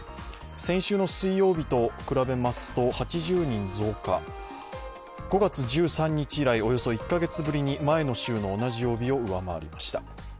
先週の水曜日と比べますと８０人増加、５月１３日以来、およそ１カ月ぶりに前の週の同じ曜日を上回りました。